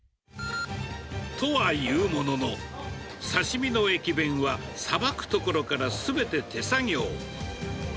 とはいうものの、刺身の駅弁はさばくところからすべて手作業。